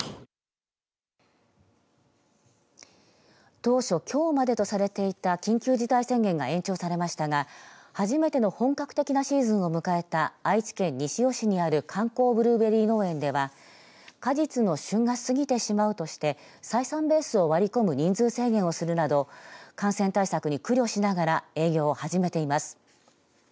当初、きょうまでとされていた緊急事態宣言が延長されましたが初めての本格的なシーズンを迎えた愛知県西尾市にある観光ブルーベリー農園では果実の旬が過ぎてしまうとして採算ベースを割り込む人数制限をするなど感染対策に苦慮しながら営業を始めています。